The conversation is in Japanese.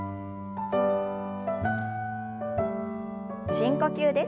深呼吸です。